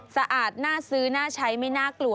สะอาดน่าซื้อน่าใช้ไม่น่ากลัว